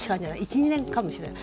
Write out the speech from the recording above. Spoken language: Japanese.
１２年かもしれない。